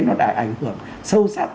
nó đã ảnh hưởng sâu sắc